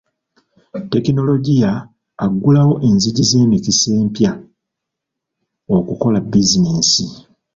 Tekinologiya aggulawo enzigi z'emikisa empya okukola bizinensi.